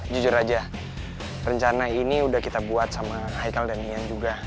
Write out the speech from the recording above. jujur aja rencana ini udah kita buat sama ichael dan hian juga